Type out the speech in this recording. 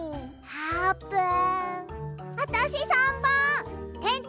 あーぷん！？